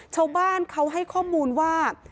ชาวบ้านเขาให้ข้อมูลว่า